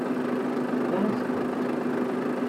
Ar azekka.